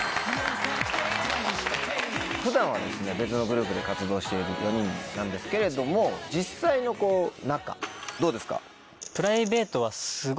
普段は別のグループで活動している４人なんですけれども実際の仲どうですか？